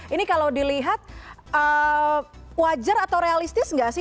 ini kalau dilihat wajar atau realistis nggak sih